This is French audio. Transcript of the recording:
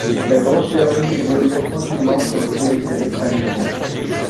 La grosse berline évoluait tranquillement sur le périphérique parisien